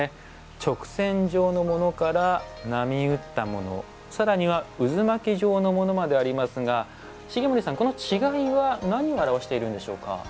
直線状のものから波打ったもの更には渦巻き状のものまでありますが重森さんこの違いは何を表しているんでしょうか？